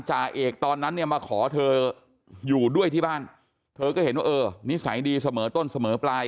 จ่าเอกตอนนั้นเนี่ยมาขอเธออยู่ด้วยที่บ้านเธอก็เห็นว่าเออนิสัยดีเสมอต้นเสมอปลาย